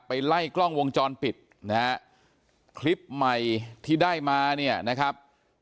ไล่กล้องวงจรปิดนะฮะคลิปใหม่ที่ได้มาเนี่ยนะครับ